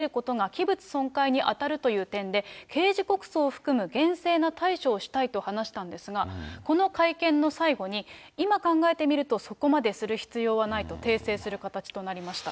ゴルフボールで傷をつけることが器物損壊に当たるという点で、刑事告訴を含む厳正な対処をしたいと話したんですが、この会見の最後に、今考えてみるとそこまでする必要はないと訂正する形となりました。